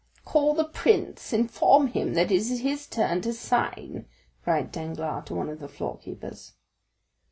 "Call the prince; inform him that it is his turn to sign," cried Danglars to one of the floorkeepers.